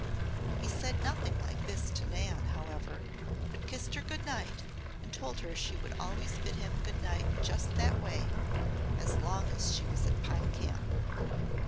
He said nothing like this to Nan, however, but kissed her good night and told her she should always bid him good night in just that way as long as she was at Pine Camp.